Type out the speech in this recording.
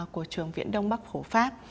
của trường viện đông bắc phổ pháp